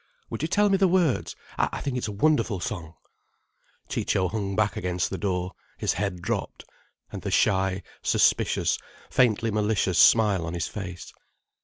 Would you tell me the words? I think it's a wonderful song." Ciccio hung back against the door, his head dropped, and the shy, suspicious, faintly malicious smile on his face.